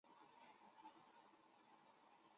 努力寻找正职机会